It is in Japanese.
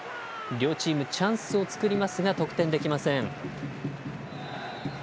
両チームチャンスを作りますが得点できません。